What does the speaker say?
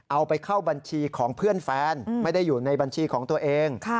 เอาไปเข้าบัญชีของเพื่อนแฟนไม่ได้อยู่ในบัญชีของตัวเอง